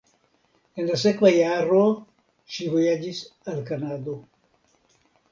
En la sekva jaro ŝi vojaĝis al Kanado.